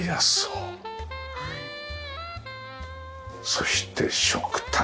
そして食卓。